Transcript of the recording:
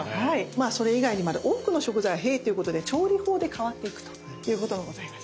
まあそれ以外にまだある多くの食材は「平」ということで調理法で変わっていくということがございます。